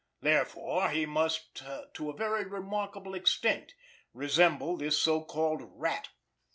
Therefore he must to a very remarkable extent resemble this so called Rat.